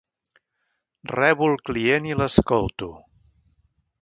Rebo el client i l'escolto.